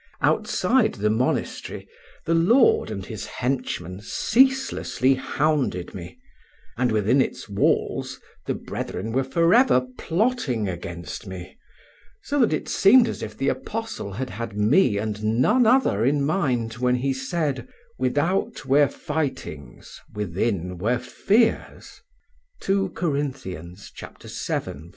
Outside the monastery the lord and his henchmen ceaselessly hounded me, and within its walls the brethren were forever plotting against me, so that it seemed as if the Apostle had had me and none other in mind when he said: "Without were fightings, within were fears" (II Cor. vii, 5).